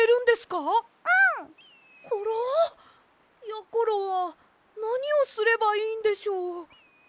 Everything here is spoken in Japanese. やころはなにをすればいいんでしょう。